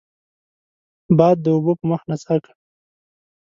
باد د اوبو په مخ نڅا کوي